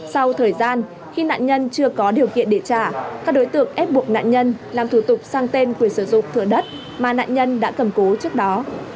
sau thời gian khi nạn nhân chưa có điều kiện để trả các đối tượng ép buộc nạn nhân làm thủ tục sang tên quyền sử dụng thửa đất mà nạn nhân đã cầm cố trước đó